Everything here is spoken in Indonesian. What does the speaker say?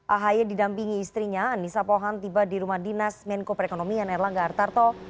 ahy didampingi istrinya anissa pohan tiba di rumah dinas menko perekonomian erlangga artarto